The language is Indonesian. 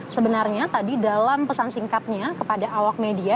sebenarnya tadi dalam pesan singkatnya kepada awak media